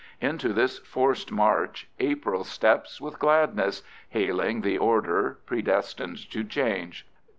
Into this forced march April steps with gladness, hailing the order, predestined to change.